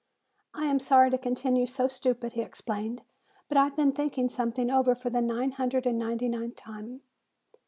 "I am sorry to continue so stupid," he explained, "but I have been thinking something over for the nine hundred and ninety ninth time."